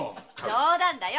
冗談だよ。